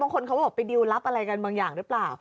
คนเขาก็บอกไปดิวลับอะไรกันบางอย่างหรือเปล่า